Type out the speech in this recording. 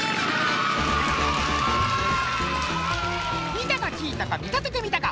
みたかきいたかみたててみたか！